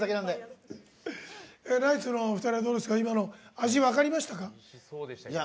ナイツのお二人はどうですか味、分かりましたか？